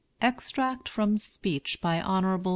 EXTRACT FROM SPEECH BY HON.